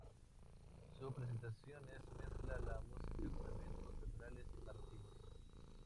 Sus presentaciones mezclan la música con elementos teatrales y narrativos.